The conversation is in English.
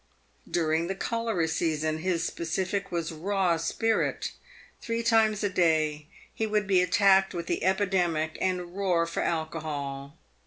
During the cholera season his specific was raw spirit. Three times a day he would be attacked with the epidemic and roar for alcohol.